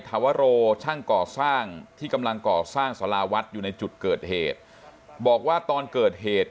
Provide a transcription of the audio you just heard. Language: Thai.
ธวโรช่างก่อสร้างที่กำลังก่อสร้างสาราวัดอยู่ในจุดเกิดเหตุบอกว่าตอนเกิดเหตุ